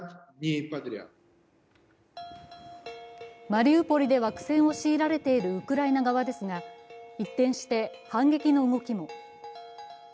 マリウポリでは苦戦を強いられているウクライナ側ですが一転して反撃の動きも。